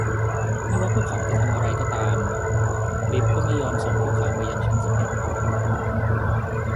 ไม่ว่าพวกเขาจะทำอะไรก็ตาม ลิฟต์ก็ไม่ยอมส่งพวกเขาไปยังชั้นสิบเอ็ด